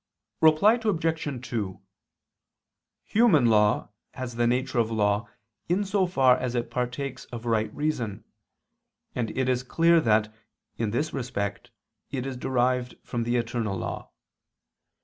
Reply Obj. 2: Human law has the nature of law in so far as it partakes of right reason; and it is clear that, in this respect, it is derived from the eternal law.